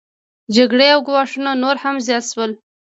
جګړې او ګواښونه نور هم زیات شول